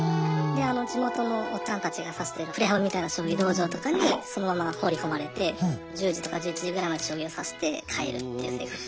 で地元のおっちゃんたちが指してるプレハブみたいな将棋道場とかにそのまま放り込まれて１０時とか１１時ぐらいまで将棋を指して帰るっていう生活。